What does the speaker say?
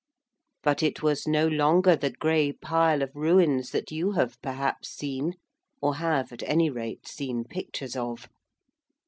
But it was no longer the grey pile of ruins that you have perhaps seen or have, at any rate, seen pictures of.